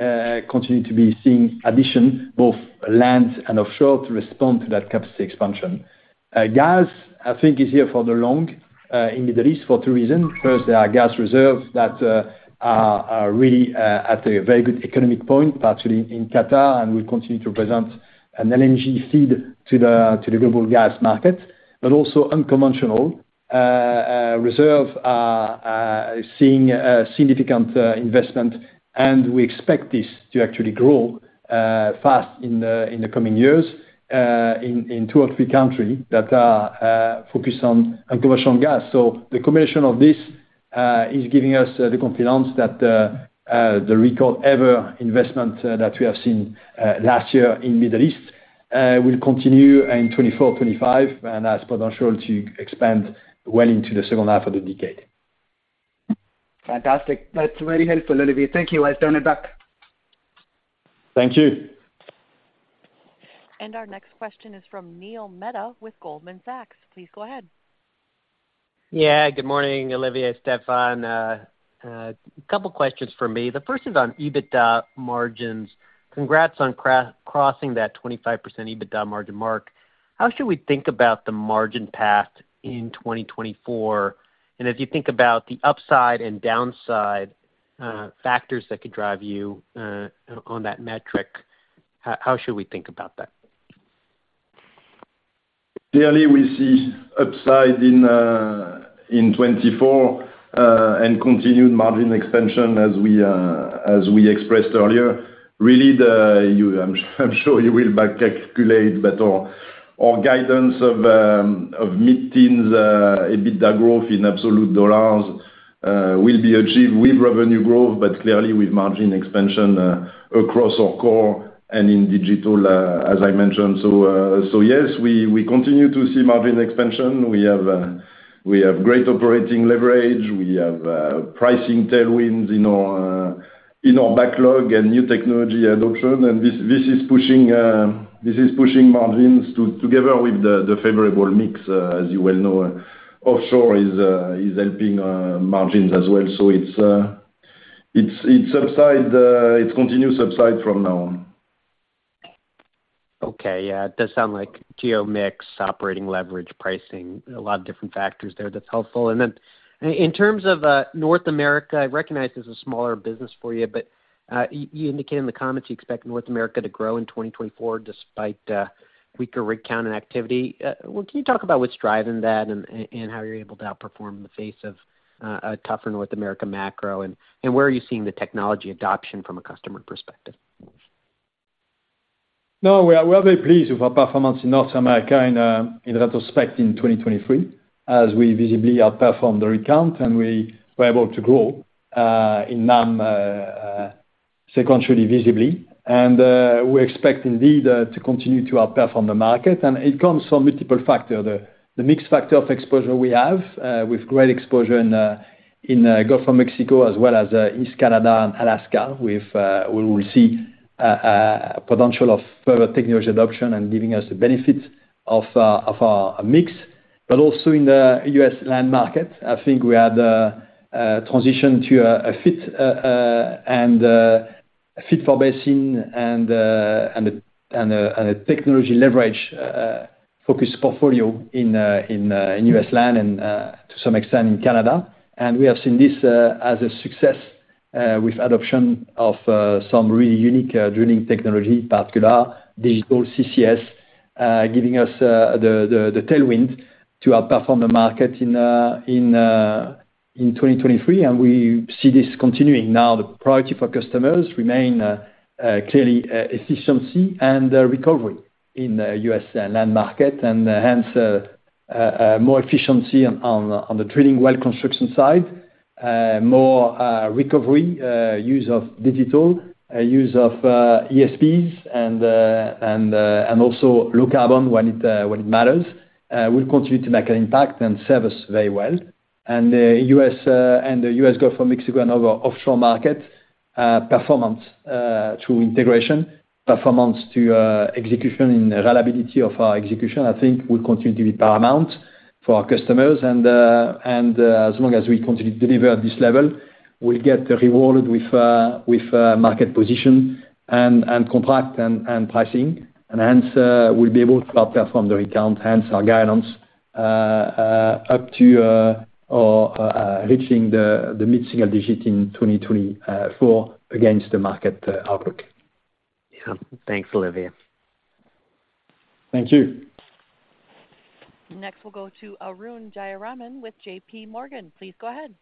continuing to be seeing addition, both land and offshore, to respond to that capacity expansion. Gas, I think, is here for the long in Middle East for two reasons. First, there are gas reserves that are really at a very good economic point, particularly in Qatar, and will continue to present an LNG feed to the global gas market. But also unconventional reserves are seeing a significant investment, and we expect this to actually grow fast in the coming years in two or three countries that are focused on unconventional gas. So the combination of this is giving us the confidence that the record-ever investment that we have seen last year in Middle East will continue in 2024, 2025, and has potential to expand well into the second half of the decade. Fantastic. That's very helpful, Olivier. Thank you. I'll turn it back. Thank you. Our next question is from Neil Mehta with Goldman Sachs. Please go ahead. Yeah, good morning, Olivier, Stephane. A couple questions for me. The first is on EBITDA margins. Congrats on crossing that 25% EBITDA margin mark. How should we think about the margin path in 2024? And as you think about the upside and downside, factors that could drive you on that metric, how should we think about that? Clearly, we see upside in 2024 and continued margin expansion as we expressed earlier. Really, I'm sure you will back calculate, but our guidance of mid-teens EBITDA growth in absolute dollars will be achieved with revenue growth, but clearly with margin expansion across our core and in digital, as I mentioned. So yes, we continue to see margin expansion. We have great operating leverage. We have pricing tailwinds in our backlog and new technology adoption. And this is pushing margins together with the favorable mix. As you well know, offshore is helping margins as well. So it's upside, it's continued upside from now on. Okay, yeah. It does sound like geo mix, operating leverage, pricing, a lot of different factors there. That's helpful. And then in terms of North America, I recognize this is a smaller business for you, but you indicated in the comments you expect North America to grow in 2024 despite weaker rig count and activity. Well, can you talk about what's driving that and how you're able to outperform in the face of a tougher North America macro? And where are you seeing the technology adoption from a customer perspective? No, we are, we are very pleased with our performance in North America in retrospect, in 2023, as we visibly outperformed the rig count, and we were able to grow in NAM sequentially, visibly. We expect indeed to continue to outperform the market, and it comes from multiple factor. The, the mix factor of exposure we have, with great exposure in Gulf of Mexico, as well as East Canada and Alaska, with we will see potential of further technology adoption and giving us the benefits of our mix, but also in the U.S. land market. I think we had a transition to a fit for basin and a technology leverage focused portfolio in U.S. land and to some extent in Canada. We have seen this as a success with adoption of some really unique drilling technology, in particular, digital CCS, giving us the tailwind to outperform the market in 2023, and we see this continuing. Now, the priority for customers remain clearly efficiency and recovery in the U.S. land market, and hence more efficiency on the drilling Well Construction side. More recovery, use of digital, use of ESPs and also low carbon when it matters will continue to make an impact and serve us very well. The U.S. and the U.S. Gulf of Mexico and other offshore market performance through integration, performance through execution and reliability of our execution, I think will continue to be paramount for our customers. As long as we continue to deliver at this level, we'll get rewarded with market position and contract and pricing. Hence, we'll be able to outperform the rig count; hence our guidance up to or reaching the mid-single digit in 2024 against the market outlook. Yeah. Thanks, Olivier. Thank you. Next, we'll go to Arun Jayaraman with JPMorgan. Please go ahead.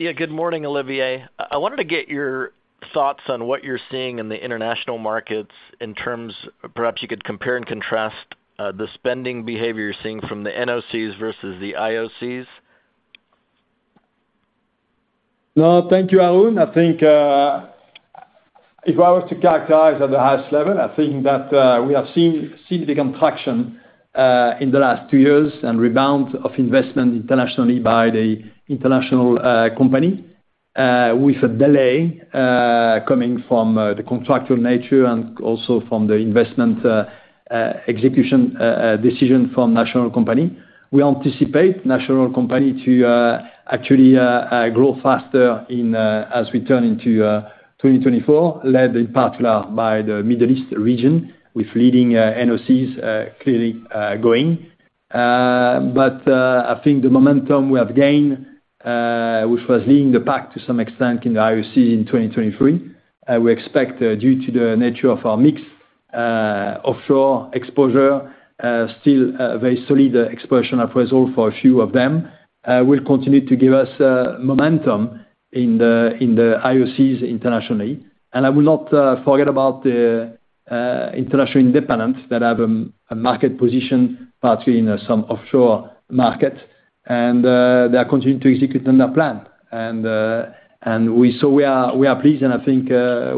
Yeah. Good morning, Olivier. I wanted to get your thoughts on what you're seeing in the international markets in terms, perhaps you could compare and contrast the spending behavior you're seeing from the NOCs versus the IOCs. No, thank you, Arun. I think, if I were to characterize at the highest level, I think that we have seen, seen the contraction in the last two years, and rebound of investment internationally by the international company with a delay coming from the contractual nature and also from the investment execution decision from national company. We anticipate national company to actually grow faster in as we turn into 2024, led in particular by the Middle East region, with leading NOCs clearly going. But I think the momentum we have gained, which was leading the pack to some extent in the IOC in 2023, we expect, due to the nature of our mix, offshore exposure, still very solid exposure and appraisal for a few of them, will continue to give us momentum in the IOCs internationally. I will not forget about the international independents that have a market position, particularly in some offshore markets, and they are continuing to execute on their plan. So we are pleased, and I think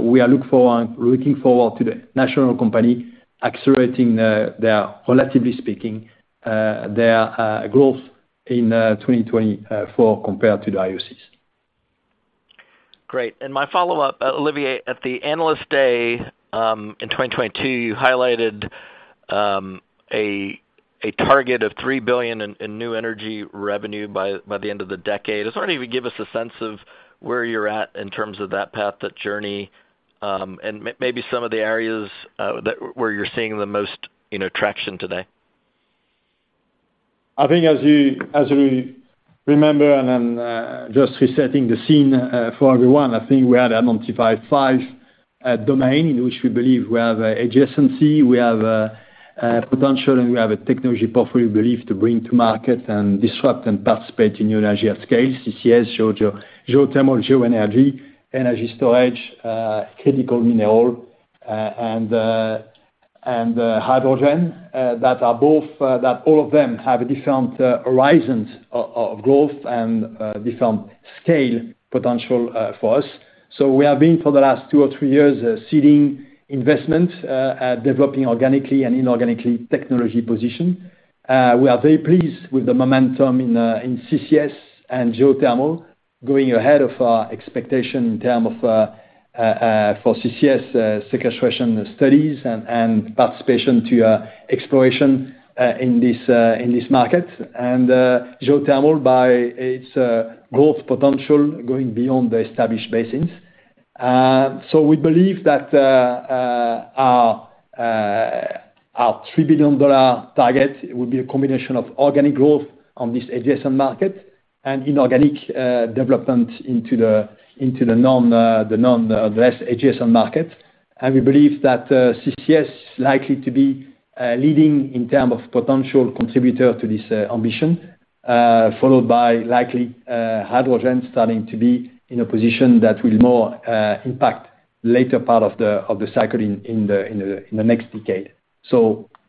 looking forward to the national company accelerating their, relatively speaking, their growth in 2024 compared to the IOCs. Great. My follow-up, Olivier, at the Analyst Day in 2022, you highlighted a target of $3 billion in New Energy revenue by the end of the decade. I was wondering if you give us a sense of where you're at in terms of that path, that journey, and maybe some of the areas where you're seeing the most, you know, traction today. I think as you, as you remember, and then just resetting the scene for everyone, I think we had identified five domains in which we believe we have adjacency, we have potential, and we have a technology portfolio we believe to bring to market and disrupt and participate in New Energy at scale. CCS, geothermal, geoenergy, energy storage, critical mineral, and hydrogen that are both, that all of them have different horizons of growth and different scale potential for us. So we have been, for the last two or three years, seeding investment, developing organically and inorganically technology position. We are very pleased with the momentum in CCS and geothermal, going ahead of our expectation in terms of, for CCS, sequestration studies and participation to exploration in this market. Geothermal by its growth potential going beyond the established basins. So we believe that our $3 billion target will be a combination of organic growth on this adjacent market and inorganic development into the non-adjacent market. We believe that CCS is likely to be leading in terms of potential contributor to this ambition, followed by likely hydrogen starting to be in a position that will more impact later part of the cycle in the next decade.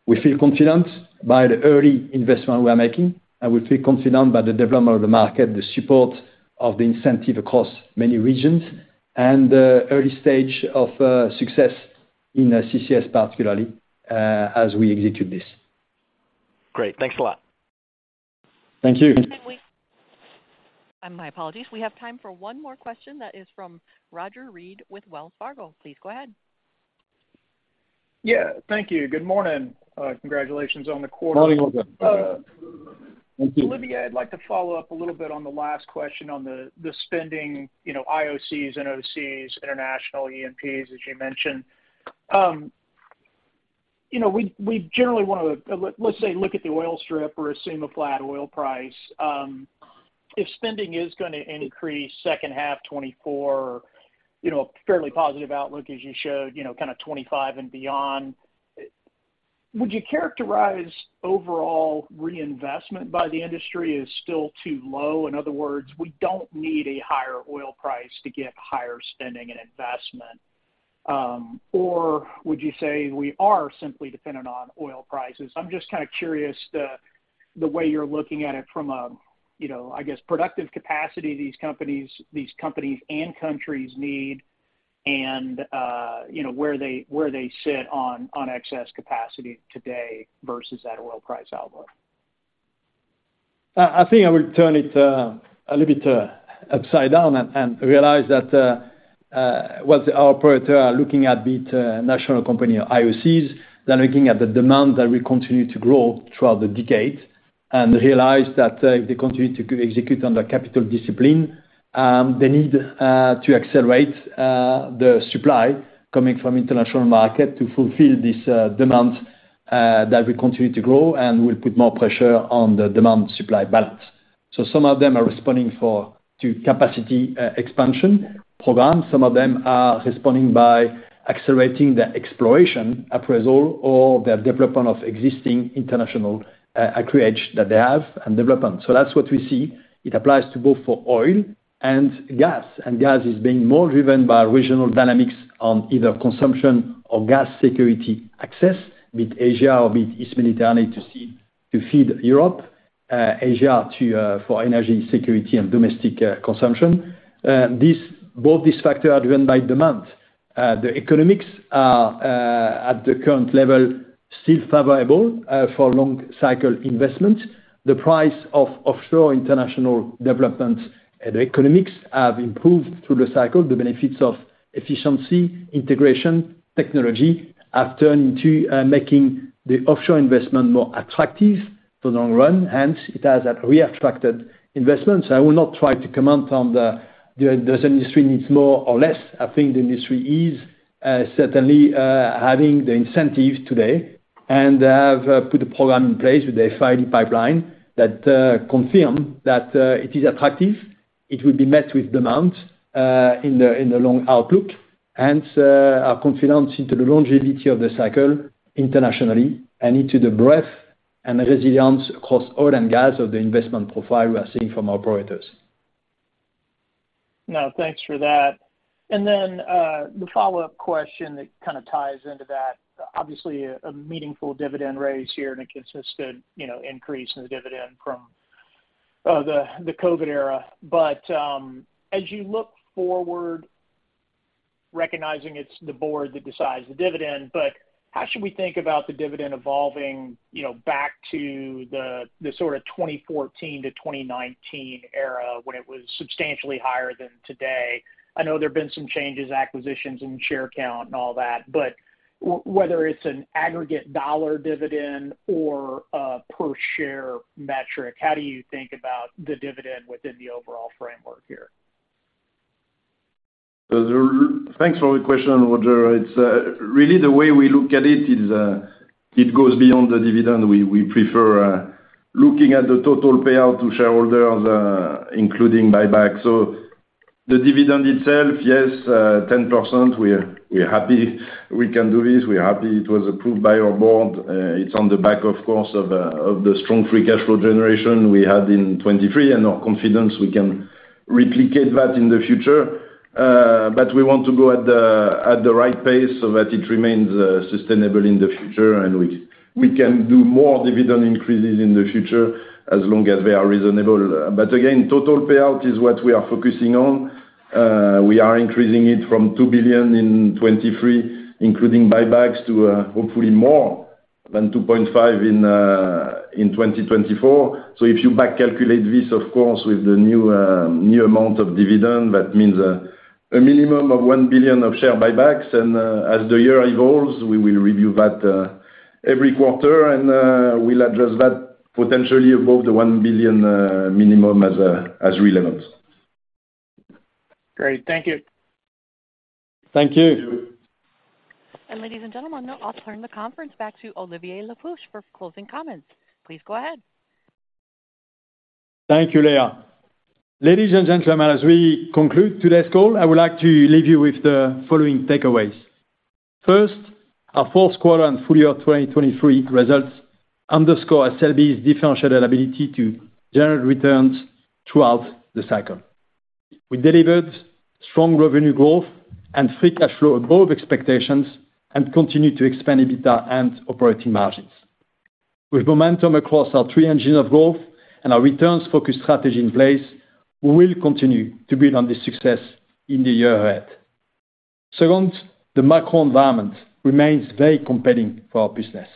We feel confident by the early investment we are making, and we feel confident by the development of the market, the support of the incentive across many regions, and the early stage of success in CCS particularly, as we execute this. Great. Thanks a lot. Thank you. My apologies. We have time for one more question. That is from Roger Read with Wells Fargo. Please go ahead. Yeah, thank you. Good morning. Congratulations on the quarter. Morning, Roger. Thank you. Olivier, I'd like to follow up a little bit on the last question on the, the spending, you know, IOCs, NOCs, international E&Ps, as you mentioned. You know, we generally wanna, let's say, look at the oil strip or assume a flat oil price. If spending is gonna increase second half 2024, you know, fairly positive outlook as you showed, you know, kinda 2025 and beyond, would you characterize overall reinvestment by the industry as still too low? In other words, we don't need a higher oil price to get higher spending and investment. Or would you say we are simply dependent on oil prices? I'm just kinda curious the way you're looking at it from a, you know, I guess, productive capacity these companies and countries need, and you know, where they sit on excess capacity today versus that oil price outlook. I think I will turn it a little bit upside down and realize that what our operators are looking at, be it national company or IOCs, they're looking at the demand that will continue to grow throughout the decade. Realize that if they continue to execute under capital discipline, they need to accelerate the supply coming from international market to fulfill this demand that will continue to grow and will put more pressure on the demand-supply balance. So some of them are responding to capacity expansion programs. Some of them are responding by accelerating their exploration appraisal or their development of existing international acreage that they have and development. So that's what we see. It applies to both for oil and gas, and gas is being more driven by regional dynamics on either consumption or gas security access with Asia or with East Mediterranean to feed Europe, Asia, to, for energy security and domestic consumption. This, both these factors are driven by demand. The economics are, at the current level, still favorable, for long cycle investment. The price of offshore international development and economics have improved through the cycle. The benefits of efficiency, integration, technology, have turned into, making the offshore investment more attractive for the long run, and it has re-attracted investments. I will not try to comment on the, does the industry needs more or less? I think the industry is certainly having the incentive today, and they have put a program in place with the FID pipeline that confirm that it is attractive. It will be met with demand in the long outlook, and our confidence into the longevity of the cycle internationally and into the breadth and resilience across oil and gas of the investment profile we are seeing from operators. No, thanks for that. And then, the follow-up question that kinda ties into that, obviously a meaningful dividend raise here and a consistent, you know, increase in the dividend from, the, the COVID era. But, as you look forward, recognizing it's the board that decides the dividend, but how should we think about the dividend evolving, you know, back to the, the sorta 2014-2019 era, when it was substantially higher than today? I know there have been some changes, acquisitions and share count and all that, but whether it's an aggregate dollar dividend or a per share metric, how do you think about the dividend within the overall framework here? Thanks for the question, Roger. It's really the way we look at it is, it goes beyond the dividend. We, we prefer looking at the total payout to shareholders, including buyback. So the dividend itself, yes, 10%, we're, we're happy we can do this. We're happy it was approved by our board. It's on the back, of course, of the strong free cash flow generation we had in 2023, and our confidence we can replicate that in the future. But we want to go at the right pace so that it remains sustainable in the future, and we, we can do more dividend increases in the future as long as they are reasonable. But again, total payout is what we are focusing on. We are increasing it from $2 billion in 2023, including buybacks, to hopefully more than $2.5 billion in 2024. So if you back calculate this, of course, with the new new amount of dividend, that means a minimum of $1 billion of share buybacks. As the year evolves, we will review that every quarter, and we'll adjust that potentially above the $1 billion minimum as relevant. Great. Thank you. Thank you. Ladies and gentlemen, I'll turn the conference back to Olivier Le Peuch for closing comments. Please go ahead. Thank you, Leah. Ladies and gentlemen, as we conclude today's call, I would like to leave you with the following takeaways. First, our fourth quarter and full year 2023 results underscore SLB's differentiated ability to generate returns throughout the cycle. We delivered strong revenue growth and free cash flow above expectations and continued to expand EBITDA and operating margins. With momentum across our three engines of growth and our returns-focused strategy in place, we will continue to build on this success in the year ahead. Second, the macro environment remains very compelling for our business,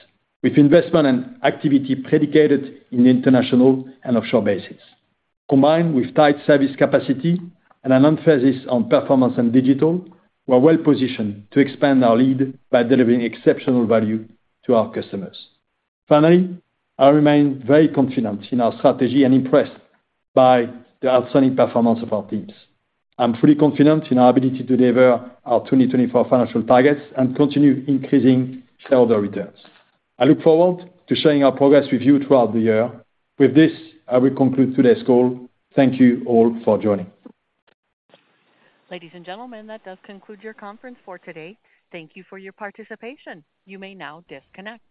with investment and activity predicated in the international and offshore basins. Combined with tight service capacity and an emphasis on performance and digital, we're well positioned to expand our lead by delivering exceptional value to our customers. Finally, I remain very confident in our strategy and impressed by the outstanding performance of our teams. I'm fully confident in our ability to deliver our 2024 financial targets and continue increasing shareholder returns. I look forward to sharing our progress with you throughout the year. With this, I will conclude today's call. Thank you all for joining. Ladies and gentlemen, that does conclude your conference for today. Thank you for your participation. You may now disconnect.